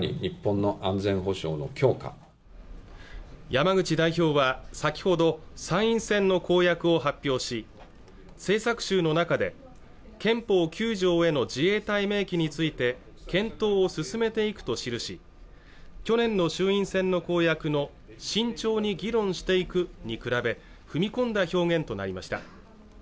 山口代表は先ほど参院選の公約を発表し政策集の中で憲法９条への自衛隊明記について検討を進めていくと記し去年の衆院選の公約の慎重に議論していくに比べ踏み込んだ表現となりました